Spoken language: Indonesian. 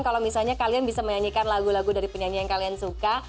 kalau misalnya kalian bisa menyanyikan lagu lagu dari penyanyi yang kalian suka